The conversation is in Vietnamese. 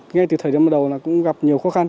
ngay từ thời điểm đầu cũng gặp nhiều khó khăn